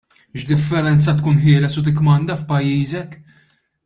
X'differenza tkun ħieles u tikkmanda f'pajjiżek!